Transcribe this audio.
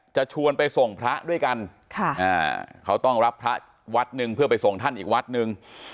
ชวนไปส่งพระด้วยกันเขาต้องรับพระวัดหนึ่งเพื่อไปส่งท่านอีกวัดหนึ่ง